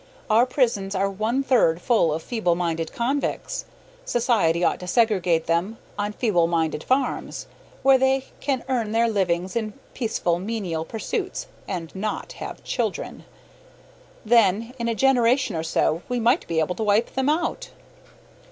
Our prisons are one third full of feeble minded convicts. Society ought to segregate them on feeble minded farms, where they can earn their livings in peaceful menial pursuits, and not have children. Then in a generation or so we might be able to wipe them out.